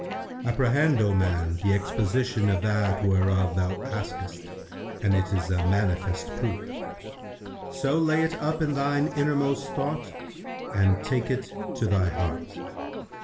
"—"Apprehend, O man, the exposition of that whereof thou askest and it is a manifest proof; so lay it up in thine innermost thought and take it to thy heart.